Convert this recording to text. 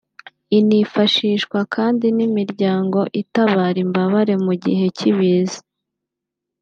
Inifashishwa kandi n’imiryango itabara imbabare mu gihe cy’ibiza